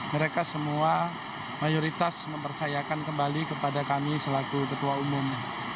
mereka semua mayoritas mempercayakan kembali kepada kami selaku ketua umum